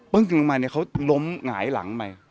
เบิ้งจึงลงมาเขาล้มหงายหลังไป